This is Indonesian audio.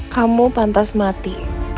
kamu pantas mati